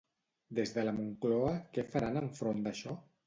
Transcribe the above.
Des de la Moncloa, què faran enfront d'això?